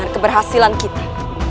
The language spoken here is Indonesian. dan keberhasilan kita